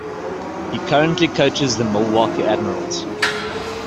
He currently coaches the Milwaukee Admirals.